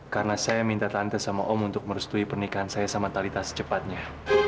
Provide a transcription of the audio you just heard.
karena saya minta tante sama om untuk merestui pernikahan saya sama talitha secepatnya